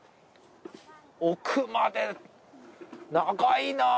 奥まで長いな。